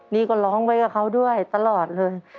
นี่ก็ร้องไว้กับเขาด้วยตลอดเลย